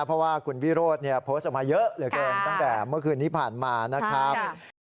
เพราะว่าคุณวิโรธโพสต์ออกมาเยอะเหลือเกินตั้งแต่เมื่อคืนที่ผ่านมานะครับ